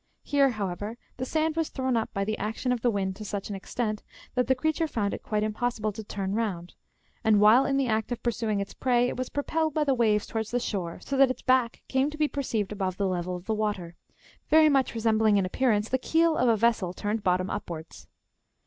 Here, however, the sand was thrown up by the action of the wind to such an extent, that the creature found it quite impossible to turn round ; and while in the act of pursuing its prey, it was propelled by the waves towards the shore, so that its back came to be perceived above the level of the water, very much resembling in appearance the keel of a vessel turned bottom upwards.